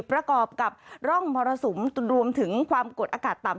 ประกอบกับร่องมรสุมรวมถึงความกดอากาศต่ำ